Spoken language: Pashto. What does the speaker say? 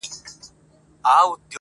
ارغنداو به غاړي غاړي را روان سي!.